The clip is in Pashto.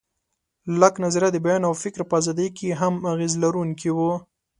لاک نظریه د بیان او فکر په ازادۍ کې هم اغېز لرونکی و.